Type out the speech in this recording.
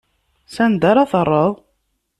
S anda ara terreḍ?